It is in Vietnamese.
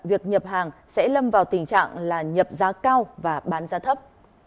việc nhập hàng sẽ lâm vào tình trạng là nhập giá cao và bán giá thấp